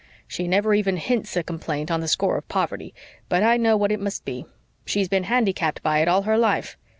She never even hints a complaint on the score of poverty, but I know what it must be. She's been handicapped by it all her life.